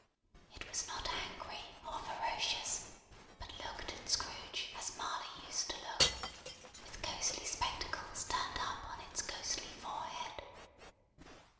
It was not angry or ferocious, but looked at Scrooge as Marley used to look: with ghostly spectacles turned up on its ghostly forehead.